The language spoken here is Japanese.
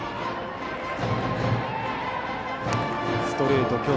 ストレート